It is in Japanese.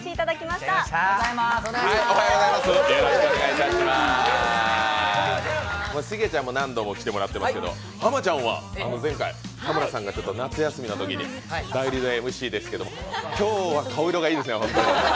しげちゃんも何度も来てもらってますけど、ハマちゃんは前回、田村さんが夏休みのときに代理でＭＣでしたけど今日は顔色がいいですね？